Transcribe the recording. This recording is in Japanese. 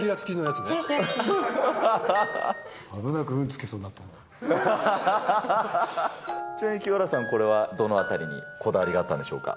ちなみに清原さん、これは、どのあたりにこだわりがあったんでしょうか？